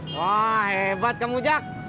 wah hebat kamu jak